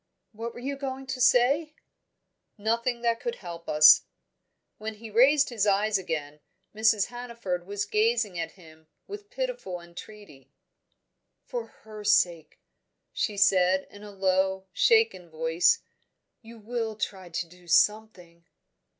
"What were you going to say?" "Nothing that could help us." When he raised his eyes again, Mrs. Hannaford was gazing at him with pitiful entreaty. "For her sake," she said, in a low, shaken voice, "you will try to do something?"